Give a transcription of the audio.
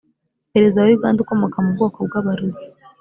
perezida wa uganda ukomoka mu bwoko bw'abarozi